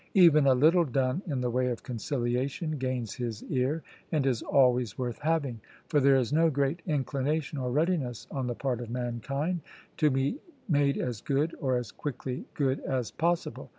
Even a little done in the way of conciliation gains his ear, and is always worth having. For there is no great inclination or readiness on the part of mankind to be made as good, or as quickly good, as possible.